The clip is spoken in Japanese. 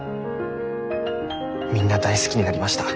みんな大好きになりました。